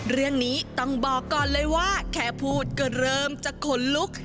เรื่องนี้ต้องบอกก่อนเลยว่าแค่พูดก็เริ่มจะขนลุก